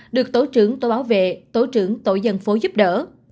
được tổ trưởng tổ bảo vệ tổ trưởng tổ dân phố giúp đỡ